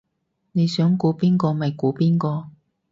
你想估邊個咪估邊個